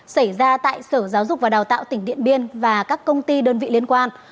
xảy ra tại sở giáo dục và đào tạo tỉnh điện biên và các công ty đơn vị liên quan